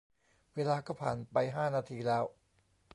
เวลาก็ผ่านไปห้านาทีแล้ว